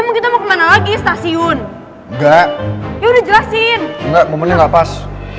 mungkin mau kemana lagi stasiun enggak ya udah jelasin enggak mau mending pas